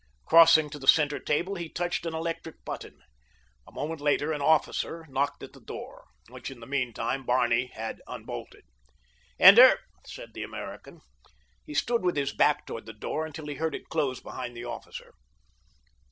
Crossing to the center table, he touched an electric button. A moment later an officer knocked at the door, which, in the meantime, Barney had unbolted. "Enter!" said the American. He stood with his back toward the door until he heard it close behind the officer.